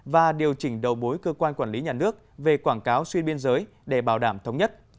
và điều chỉnh đầu bối cơ quan quản lý nhà nước về quảng cáo xuyên biên giới để bảo đảm thống nhất